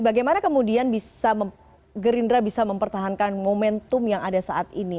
bagaimana kemudian gerindra bisa mempertahankan momentum yang ada saat ini